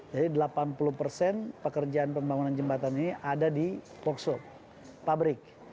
jadi delapan puluh persen pekerjaan pembangunan jembatan ini ada di voxo pabrik